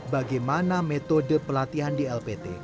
bagaimana metode pelatihan di lpt